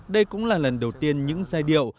đây cũng là lần đầu tiên những giai điệu